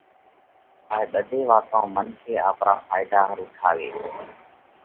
اي ٻڌي واتون منکي آپرا ڦائيڌا ۿارُو ٺاويھ۔